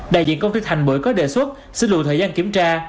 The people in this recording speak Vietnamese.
đại diện công ty thành bưởi có đề xuất xử lụi thời gian kiểm tra